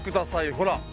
ほら